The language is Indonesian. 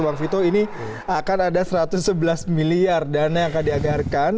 bang vito ini akan ada satu ratus sebelas miliar dana yang akan dianggarkan